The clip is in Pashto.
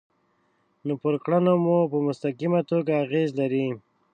نو پر کړنو مو په مستقیمه توګه اغیز لري.